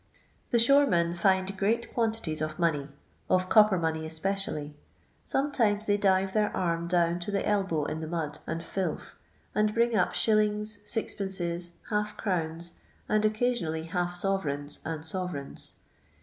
The ahoce men find great quantities of money — of copper money especially ; sometimes they dive their arm down to (he elbow in the mud and filth and bring up shillings, sixpences, half crowns, and occasionally half soyereigns and sovereigns.